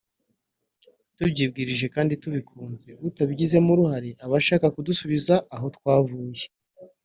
tubyibwirije kandi tubikunze; utabigizemo uruhare aba ashaka kudusubiza aho twavuye